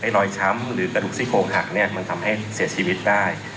รอยช้ำหรือกระดูกซี่โครงหักเนี่ยมันทำให้เสียชีวิตได้